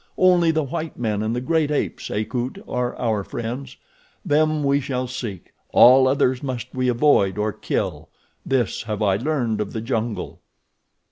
Only the white men and the great apes, Akut, are our friends. Them we shall seek, all others must we avoid or kill. This have I learned of the jungle."